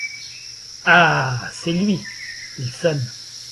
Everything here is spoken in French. Ah ! c’est lui… il sonne…